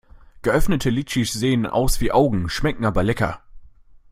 Geöffnete Litschis sehen aus wie Augen, schmecken aber lecker.